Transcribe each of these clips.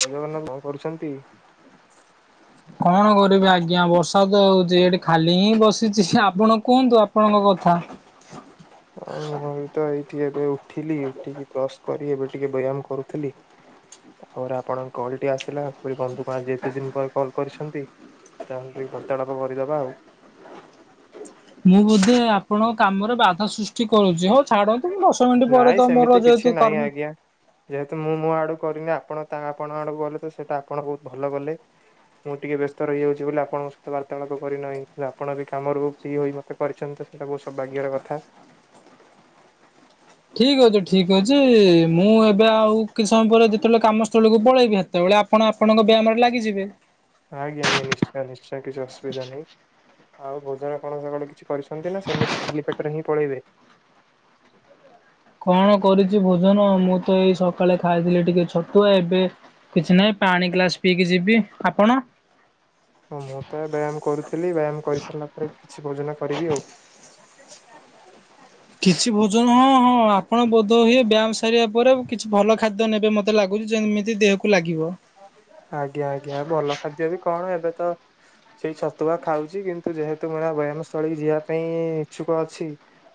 ଜୟ ଜଗନ୍ନାଥ। କଣ କରୁଛନ୍ତି? କଣ କରିବି ଆଜ୍ଞା ବର୍ଷା ତ ହଉଚି ଏଠି ଖାଲି ହିଁ ବସିଛି। ଆପଣ କୁହନ୍ତୁ ଆପଣଙ୍କ କଥା। [inaudible] ହଉ ତ ଏଇ। ଶୋଇକି ଏବେ ଉଠିଲି ଉଠିକି କ୍ରସ କରି ଏବେ ଟିକେ ବ୍ୟାୟାମ କରୁଥିଲି। ତାପରେ ଆପଣଙ୍କ କଲ ଟି ଆସିଲା। ଭାବିଲି ବନ୍ଧୁ କଣ ଆଜି ଏତେ ଦିନ ପରେ କଲ୍ କରିଛନ୍ତି? ତାହେଲେ ଟିକେ ବାର୍ତାଳାପ କରିଦବା ଆଉ। [inaudible] ମୁଁ ବୋଧେ ଆପଣଙ୍କ କାମରେ ବାଧା ସୃଷ୍ଟି କରୁଛି। ହଉ ଛାଡ ଦଶ ମିନିଟ ପରେ ନାଇଁ ତ ମୋର ସେମିତି କିଛି ଯେହେତୁ ନାହିଁ କର୍ମ ଆଜ୍ଞା। ଯେହେତୁ ମୁଁ ମୁଁ ଆଡକୁ କରିନି ଆପଣ ତା ଆପଣ ଆଡକୁ ଗଲେ ତ ସେଇଟା ଆପଣ ବହୁତ ଭଲ କଲେ। ମୁଁ ଟିକେ ବ୍ୟସ୍ତ ରହିଯାଉଛି ବୋଲି ଆପଣଙ୍କ ସହିତ ବାର୍ତ୍ତାଳାପ କରିନାହିଁ। ଆପଣ ବି କାମରୁ ଟିକେ ଫ୍ରି ହେଇ ମତେ କରିଛନ୍ତି। ସେଇଟା ବହୁତ ସୌଭାଗ୍ୟର କଥା। [inaudible] ଠିକ୍ ଅଛି ଠିକ୍ ଅଛି। ମୁଁ ଏବେ ଆଉ କିଛି ସମୟ ପରେ କେତେବେଳେ କାମସ୍ଥଳିକୁ ପଳେଇବି। ସେତେବେଳେ ଆପଣ ଆପଣଙ୍କ ବ୍ୟାୟାମରେ ଲାଗିଯିବେ। ଆଜ୍ଞା ଆଜ୍ଞା ନିଶ୍ଚୟ ନିଶ୍ଚୟ କିଛି ଅସୁବିଧା ନାହିଁ। ଆଉ ଭୋଜନ କଣ କ କିଛି କରିଛନ୍ତି ନା ସେମିତି ଖାଲି ପେଟରେ ହିଁ ପଳେଇବେ। କଣ କରିଛି ଭୋଜନ ମୁଁ ତ ଏଇ ସକାଳେ ଖାଇଥିଲି ଟିକେ ଛତୁଆ। ଏବେ କିଛି ନାହିଁ। ପାଣି ଗ୍ଲାସ ପିଇକି ଯିବି। ଆପଣ? ହଁ ମୁଁ ତ ବ୍ୟାୟାମ କରୁଥିଲି। ବ୍ୟାୟାମ କରିସାରିଲା ପରେ କିଛି ଭୋଜନ କରିବି ଆଉ। କିଛି ଭୋଜନ ହଁ ହଁ ଆପଣ ବୋଧ ହୁଏ ବ୍ୟାୟାମ ସାରିବା ପରେ କିଛି ଭଲ ଖାଦ୍ୟ ନେବେ ମତେ ଲାଗୁଛି ଯେମିତି ଦେହକୁ ଲା ଆଜ୍ଞା ଆଜ୍ଞା। ଭଲ ଖାଦ୍ୟ ବି କଣ? ଏବେ ତ ସେଇ ଛତୁଆ ଖାଉଛି କିନ୍ତୁ ଯେହେତୁ ମନ ବ୍ୟାୟାମ ସ୍ଥଳି କୁ ଯିବା ପାଇଁ ଇଛୁକ ଅଛି।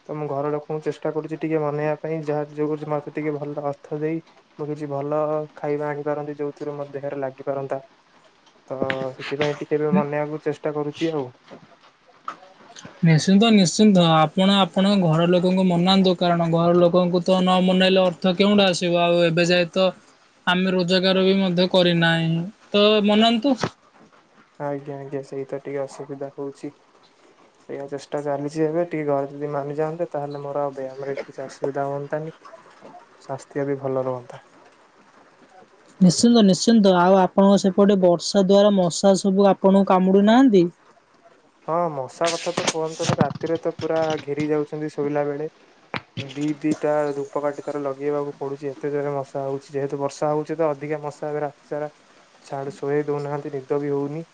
ତ ମୁଁ ଘର ଲୋକଙ୍କୁ ଚେଷ୍ଟା କରୁଛି ଟିକେ ମନେଇବା ପାଇଁ। ଯାହା ଯୋଉଛି ମତେ ଟିକେ ଭଲ ଅର୍ଥ ଦେଇ ମୁଁ କିଛି ଭଲ ଖାଇବା ଆଣିପାରନ୍ତି ଯୋଉଥିରେ ମୋ ଦେହରେ ଲାଗିପାରନ୍ତା। ତ ସେଥିପାଇଁ ଟିକେ ଏବେ ମନେଇବାକୁ ଚେଷ୍ଟା କରୁଛି ଆଉ। ନିଶ୍ଚିନ୍ତ ନିଶ୍ଚିନ୍ତ ଆପଣ ଆପଣଙ୍କ ଘର ଲୋକଙ୍କୁ ମନାନ୍ତୁ। କାରଣ ଘର ଲୋକଙ୍କୁ ତ ନ ନେଇଲେ ଅର୍ଥ କେଉଁଠୁ ଆସିବ। ଆଉ ଏବେ ଯାଏ ତ ଆମେ ରୋଜଗାର ବି ମଧ୍ୟ କରିନାହିଁ। ତ ମନାନ୍ତୁ। ଆଜ୍ଞା ଆଜ୍ଞା ସେଇତ ଟିକେ ଅସୁବିଧା ହଉଛି। ସେଇ ଚେଷ୍ଟା ଚାଲିଛି ଏବେ ଟିକେ ଘରେ ଯଦି ମାନିଯାଆନ୍ତେ। ତାହେଲେ ମୋର ଆଉ ବ୍ୟୟାମରେ କିଛି ଅସୁବିଧା ହୁଅନ୍ତାନି। ସ୍ୱାସ୍ଥ୍ୟ ବି ଭଲ ରୁହନ୍ତା। ନିଶ୍ଚିନ୍ତ ନିଶ୍ଚିନ୍ତ ଆଉ ଆପଣଙ୍କ ସେପଟେ ବର୍ଷା ମଶା ଦ୍ଵାରା ମଶା ସବୁ ଆପଣଙ୍କୁ କାମୁଡୁ ନାହାନ୍ତି? ହଁ ମଶା କଥା ତ କୁହନ୍ତୁନି ରାତିରେ ତ ପୁରା ଘେରି ଯାଉଛନ୍ତି ଶୋଇଲା ବେଳେ। ଦି ଦିଟା ଧୂପକାଠି ତାର ଲଗେଇବାକୁ ପଡୁଛି। ଏତେ ଜୋରେ ମଶା ହଉଛି। ଯେହେତୁ ବର୍ଷା ହଉଛି ତ ଅଧିକା ମଶା ଏବେ ରାତି ସାରା ଛାଡୁ ଶୋଏଇ ଦଉ ନାହାନ୍ତି। ନିଦ ବି ହଉନି।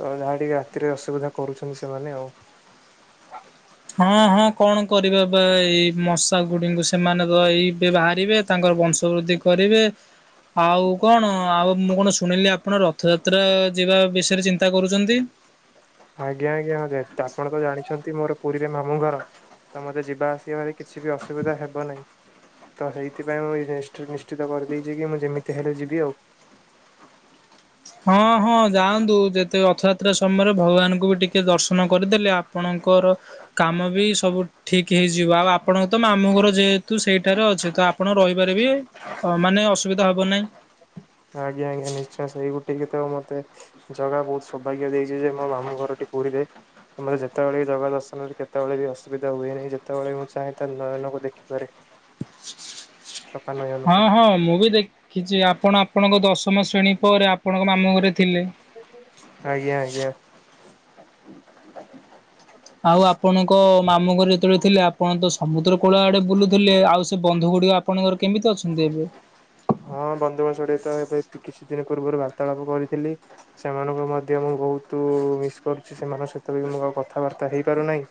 ତ ଯାହା ଟିକେ ରାତିରେ ଅସୁବିଧା କରୁଛନ୍ତି ସେମାନେ ଆଉ। ହଁ ହଁ କଣ କରିବ ଏ ଏଇ ମଶା ଗୁଡିକୁ ସେମାନେ ତ ଏଇବେ ବାହାରିବେ। ତାଙ୍କର ବ ବଂଶ ବୃଦ୍ଧି କରିବେ। ଆଉ କଣ ଆଉ ମୁଁ କଣ ଶୁଣିଲି ଆପଣ ରଥଯାତ୍ରା ଯିବା ବିଷୟରେ ଚିନ୍ତା କରୁଛନ୍ତି? ଆଜ୍ଞା ଆଜ୍ଞା ହଁ ଯେ ଆପଣ ତ ଜାଣିଛନ୍ତି ମୋର ପୁରୀରେ ମାମୁଁ ଘର ତ ମତେ ଯିବା ଆସିବାରେ କିଛି ବି ଅସୁବିଧା ହେବ ନାହିଁ। ତ ସେଇଥିପାଇଁ ମୁଁ ନିଶ୍ଚିତ କରିଦେଇଛି କି ମୁଁ ଯେମିତି ହେଲେ ଯିବି ଆଉ [inaudible] ହଁ ହଁ ଯାଆନ୍ତୁ ଯେତେ ରଥଯାତ୍ରା ସମୟରେ ଭଗବାନଙ୍କୁ ବି ଟିକେ ଦର୍ଶନ କରିଦେଲେ ଆପଣ କର କାମ ବି ସବୁ ଠିକ ହେଇଯିବ ଆଉ ଆପଣଙ୍କ ତ ମାମୁଁ ଘର ଯେହେତୁ ସେଇଠାରେ ଅଛିନ୍ତି ତ ଆପଣ ରହି ପାରିବେ ମାନେ ଅସୁବିଧା ହବ ନାହିଁ। ଟିକେ ତ ମତେ ଜଗା ବହୁତ ସୌଭାଗ୍ୟ ଦେଇଛି ଯେ ମୋ ମାମୁଁ ଘରଟି ପୁରୀରେ। ଆମେ ଯେତେବେଳେ ଜଗା ଦର୍ଶନ କେତେବେଳେ ବି ଅସୁବିଧା ହୁଏନି ଯେତେବେଳେ ବି ମୁଁ ଚାହେଁ ତା ନୟନକୁ ଦେଖିପାରେ। [inaudible] ଚକା ହଁ ନୟନକୁ ହଁ ମୁଁ ବି ଦେଖିଛି ଆପଣ ଆପଣଙ୍କ ଦଶମ ଶ୍ରେଣୀ ପରେ ଆପଣଙ୍କ ମାମୁଁ ଘରେ ଥିଲେ। ଆଜ୍ଞା ଆଜ୍ଞା। ଆଉ ଆପଣଙ୍କ ମାମୁଁ ଘରେ ଯେତେବେଳେ ଥିଲେ ଆପଣ ତ ସମୁଦ୍ର କୂଳ ଆଡେ ବୁଲୁଥିଲେ ଆଉ ସେ ବନ୍ଧୁ ଗୁଡିକ ଆପଣଙ୍କ ର କେମିତି ଅଛନ୍ତି? ଯିବେ ହଁ ବନ୍ଧୁଙ୍କ -ସଢିତ ଏବେ କିଛି ଦିନ ପୂର୍ବରୁ ବାର୍ତ୍ତାଆଳ୍ପ କରିଥିଲି ସେମାନଙ୍କୁ ମଧ୍ୟ ମୁଁ ବହୁତ ମିସ କରୁଛି ସେମାନଙ୍କ ସହିତ ବି ମୁଁ ଆଉ କଥାବାର୍ତ୍ତା ହେଇପାରୁନାହିଁ।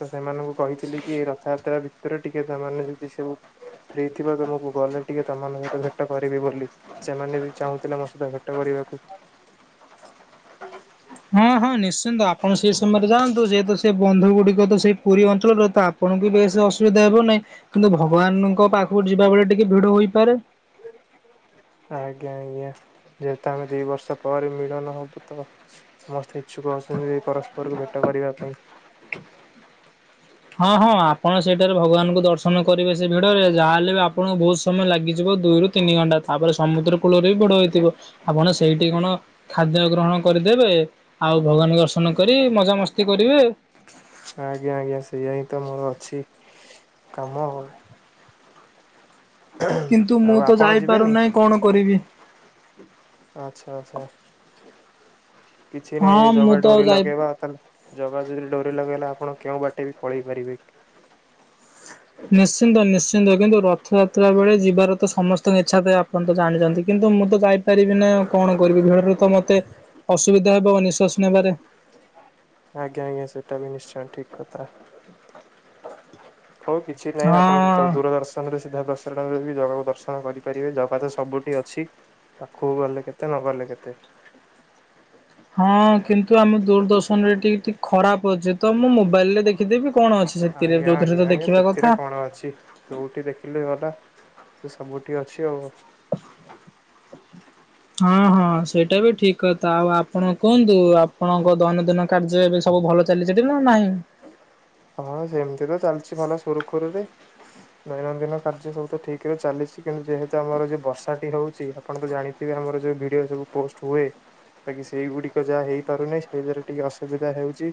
ତ ସେମାନଙ୍କୁ କହିଥିଲି କି ରଥଯାତ୍ରା ଭିତରେ ଟିକେ ସେମାନେ ଯଦି ସବୁ ଦେଇଥିବା ତମକୁ ଗଲେ ଟିକେ ତମ ମାନଙ୍କୁ ଭେଟ କରିବି ବୋଲି ସେମାନେ ବି ଚାହୁଁଥିଲେ ମୋ ସହିତ ଭେଟ କରିବାକୁ। [inaudible] ହଁ ହଁ ନିଶ୍ଚିନ୍ତ ଆପଣ ସେଇ ସମୟରେ ଯାଆନ୍ତୁ ଯେହେତୁ ସେ ବନ୍ଧୁ ଗୁଡିକ ତ ସେଇ ପୁରୀ ଅଞ୍ଚଳର ତ ଆପ୍ ଆପଣଙ୍କୁ ବେସ ଅସୁବିଧା ହେବ ନାହିଁ କିନ୍ତୁ ଭଗବାନଙ୍କ ପାଖକୁ ଯିବା ବେଳେ ଟିକେ ଭିଡ ହୋଇ ପାରେ ଆଜ୍ଞା ଆଜ୍ଞା। ଯେହେତୁ ଆମେ ଦି ବର୍ଷ ପରେ ମିଳନ ହବୁ ତ ସମସ୍ତେ ଇଛୁକ ଅଛନ୍ତି। ପରସ୍ପରକୁ ଭେଟ କରିବା ପାଇଁ। ହଁ ହଁ ଆପଣ ସେଇଠାରେ ଭଗବାନଙ୍କୁ ଦର୍ଶନ କରିବେ ସେ ଭିଡରେ ଯାହାହେଲେ ବି ଆପଣଙ୍କୁ ବହୁତ ସମୟ ଲାଗିଯିବ ଦୁଇ ରୁ ତିନି ଘଣ୍ଟା ତାପରେ ସମୁଦ୍ର କୂଳରେ ବି ବଡ଼ ହୋଇଥିବ ଆପଣ ସେଇଠି କଣ ଖାଦ୍ୟ ଗ୍ରହଣ କରିଦେବେ ଆଉ ଭଗବାନ ଦର୍ଶନ କରି ମଜା ମସ୍ତି କରିବେ ଆଜ୍ଞା ଆଜ୍ଞା ସେଇଆ ହିଁ ତ ମୋର ଅଛି କାମ ଆଉ। କିନ୍ତୁ ମୁଁ ଆଉ ତ ଆପଣ ଯିବେନି ଯାଇପାରୁନାହିଁ କଣ କରିବି? ଆଚ୍ଛା ଆଚ୍ଛା। କିଛି ନାହିଁ ଏ ହଁ ମୁଁ ଜଗା ତ ଆଉ ଡୋରି ଯାଇ ଲଗେଇବା ତାର ଜଗା ଯଦି ଡୋରି ଲଗେଇଲା ଆପଣ କେଉଁ ବାଟେ ବି ପଳେଇ ପାରିବେ। ନିଶ୍ଚିନ୍ତ ନିଶ୍ଚିନ୍ତ କିନ୍ତୁ ରଥଯାତ୍ରା ବେଳେ ଯିବାର ତ ସମସ୍ତଙ୍କ ଇଚ୍ଛା ଥାଏ ଆପଣ ତ ଜାଣିଛନ୍ତି କି ନ୍ତୁ ମୁଁ ତ ଯାଇପାରିବିନି ନା ଆଉ କଣ କରିବି ଭିଡରେ ତ ମତେ ଅସୁବିଧା ହେବ ନିଶ୍ଵାସ ନେବାରେ। ଆଜ୍ଞା ଆଜ୍ଞା ସେଟା ବି ନିଶ୍ଚୟ ଠିକ କଥା। ହୋଉ କିଛି ନାହିଁ ଆପଣ ହଁ। ତ ଦୂରଦର୍ଶନରେ ସିଧା ଦର୍ଶନ ରେ ବି ଜଗା କୁ ଦ ର୍ଶନ କରିପାରିବେ ଜଗା ତ ସବୁଠି ଅଛି ପାଖକୁ ଗଲେ କେତେ ନଗଲେ କେତେ। [inaudible] ହଁ କିନ୍ତୁ ଆମ ଦୂରଦର୍ଶନ ରେ ଟିକେ ଟିକେ ଖରାପ ଅଛି ତ ମୁଁ ମୋବାଇଲି ରେ ଦେଖିଦେବି। କଣ ଅଛି ସେ ଥିରେ ଆଜ୍ଞା ଯୋଉଥିରେ ତ ଆଜ୍ଞା ଆଜ୍ଞା ଦେଖିବା କଥା। ସେଥିରେ କଣ ଅଛି ଯୋଉଠି ଦେଖିଲେ ଗଲା ସେ ସବୁ ଠି ଅଛି ଆଉ। [inaudible] ହଁ ହଁ ସେଇଟା ବି ଠିକି କଥା ଆଉ ଆପଣଙ୍କ କୁହନ୍ତୁ ଆପଣଙ୍କ ଦୈନନ୍ଦିନ କାର୍ଯ୍ୟ ଏବେ ସ ବୁ ଭଲ ଚାଲିଚି ଟି ନା ନାହିଁ? ହଁ ସେମିତି ତ ଚାଲିଛି ଭଲ ସୁରୁଖୁରୁରେ ଦୈନନ୍ଦିନ କାର୍ଯ୍ୟ ସବୁ ତ ଠିକ ରେ ଚାଲିଛି। କିନ୍ତୁ ଯେହେତୁ ଆମର ଯ ବର୍ଷା ଟି ହେଉଛି ଆପଣ ତ ଜାଣିଥିବେ ଆମର ଯୋଉ ଭିଡିଓ ସବୁ ପୋଷ୍ଟ ହୁଏ। ବାକି ସେଇଗୁଡିକ ଯାହା ହେଇପାରୁନାହିଁ ସେଇଥିରେ ଟିକେ ଅସୁବିଧା ହେଉଛି।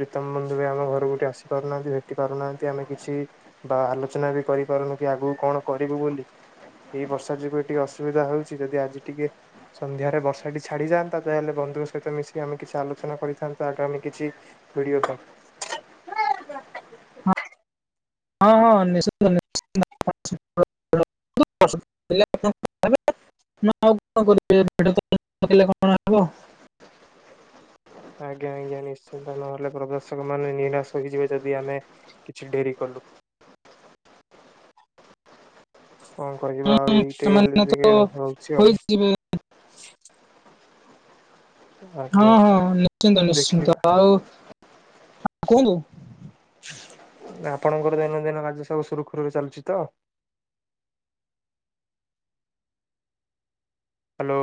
ପ୍ରୀତମ ବନ୍ଧୁ ବି ଆମ ଘ ସବୁଠି ଆସି ପାରୁନାହାନ୍ତି ଭେଟି ପାରୁନାହାନ୍ତି ଆମେ କିଛି ବା ଆଲୋଚନା ବି କରିପାରୁନୁ କି ଆଗକୁ କଣ କରିବୁ। ବୋଲି ଏଇ ବର୍ଷା ଯିବେ ଟିକେ ଅସୁବିଧା ହେଉଛି ଯଦି ଆଜି ଟିକେ ସନ୍ଧ୍ୟାରେ ବର୍ଷାଟି ଛାଡିଯାଆନ୍ତା, ତାହେଲେ ବନ୍ଧୁଙ୍କ ସହିତ ମିଶି ଆମେ କିଛି ଆଲୋଚନା କରିଥାନ୍ତା ଆଗାମି କିଛି ଭିଡିଓ କଲ। ହଁ ହଁ ନିଶ୍ଚିନ୍ତ। [unintelligible] [unintelligible] ନା ଆଉ କଣ [unintelligible] କଣ ହବ ଆଜ୍ଞା ଆଜ୍ଞା ନିଶ୍ଚିନ୍ତ ନହେଲେ ପ୍ରବାସକ ମାନେ ନିରାଶ ହେଇଯିବେ ଯଦି ଆମେ କିଛି ଡେରି କଲୁ। [inaudible] [inaudible] କଣ କରିବା ହୁଁ ଆଉ ଏଇଟେ ଖାଲି ସେମାନେ ତ ଟିକେ ହଉଚି ଆଉ। ହୋଇଯିବେ ହଁ ଆଜ୍ଞା ହଁ ନିଶ୍ଚିନ୍ତ ନିଶ୍ଚିନ୍ତ ଦେଖିବା ଆଉ ହଁ କୁହନ୍ତୁ। ଆପଣଙ୍କର ଦୈନନ୍ଦିନ କାର୍ଯ୍ୟ ସବୁ ସୁରୁଖୁରୁରେ ଚାଲୁଚି ତ? [inaudible] ହାଲୋ।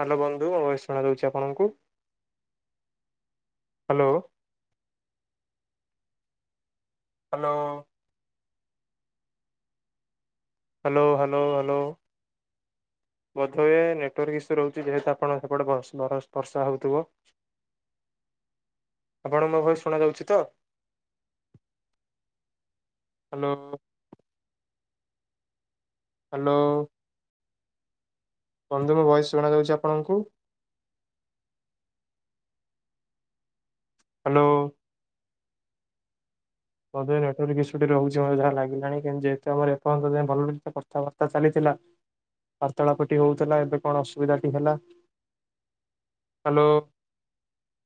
ହାଲୋ ବନ୍ଧୁ ମୋ ଭଏସ୍ ଶୁଣା ଯାଉଚି ଆପଣଙ୍କୁ? Hello. Hello. Hello hello hello. ବୋଧହୁଏ ନେଟୱର୍କ ଇସୁ ରହୁଚି ଯେହେତୁ ଆପଣଙ୍କ ସେପଟେ ବ ବର ବର୍ଷା ହଉଥିବ। [inaudible] ଆପଣଙ୍କୁ ମୋ ଭଏସ ଶୁଣା ଯାଉଚି ତ? ହାଲୋ। ହାଲୋ। ବନ୍ଧୁ ମୋ ଭଏସ ଶୁଣା ଯାଉଚି ଆପଣଙ୍କୁ? ହାଲୋ। ବନ୍ଧୁ ଏ ନେଟୱର୍କ ଇସୁ ଟିକେ ରହୁଚି ମତେ ଯାହା ଲାଗିଲାଣି। କିନ୍ତୁ ଯେହେତୁ ଆମର ଏ ପର୍ଯ୍ୟନ୍ତ ହେଲାଣି ଭଲରେ କଥାବାର୍ତ୍ତା ଚାଲିଥିଲା ବା ବାର୍ତ୍ତାଳାପଟି ହଉଥିଲା ଏବେ କଣ ଅସୁବିଧାଟି ହେଲା? ହାଲୋ।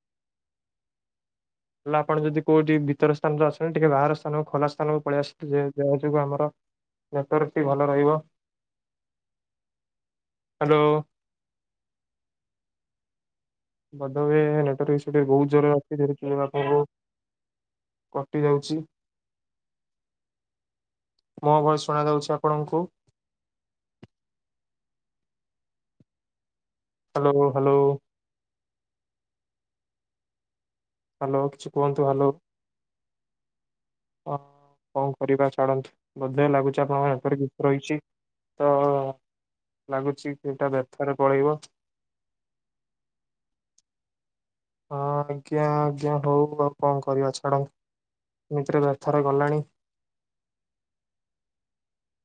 [inaudible] ହେଲେ ଆପଣ ଯଦି କୋଉଠି ଭିତର ସ୍ଥାନରେ ଅଛନ୍ତି ଟିକେ ବାହାର ସ୍ଥାନକୁ ଖୋଲା ସ୍ଥାନକୁ ପଳେଇ ଆସନ୍ତୁ। ଯାହା ଯୋଗୁ ଆମର ନେଟୱର୍କଟି ଭଲ ରହିବ। [inaudible] ହାଲୋ। ବୋଧ ହୁଏ ନେଟୱର୍କ ଇସୁଟି ବହୁତ ଜୋରେ ଅଛି [unintelligible] ଆପଣଙ୍କୁ କଟି ଯାଉଚି। ମୋ ଭଏସ ଶୁଣାଯାଉଚି ଆପଣଙ୍କୁ? Hello hello. ହାଲୋ କିଛି କୁହନ୍ତୁ ହାଲୋ। [unintelligible] କଣ କରିବା ଛାଡନ୍ତୁ ବୋଧେ ଲାଗୁଚି ଆପଣଙ୍କର ନେଟୱର୍କ ଇସୁ ରହିଚି। ତ ଲାଗୁଚି କି ଏଇଟା ବ୍ୟର୍ଥରେ ପଳେଇବ। [inaudible] ହଁ ଆଜ୍ଞା ଆଜ୍ଞା ହଉ ଆଉ କଣ କରିବା ଛାଡ ଏମିତିରେ ବ୍ୟର୍ଥରେ ଗଲାଣି। [inaudible]